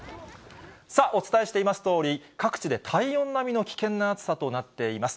さあ、お伝えしていますとおり、各地で体温並みの危険な暑さとなっています。